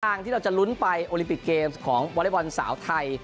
ทางที่เราจะลุ้นไปโอลิมปิกเกมส์ของวอเล็กบอลสาวไทย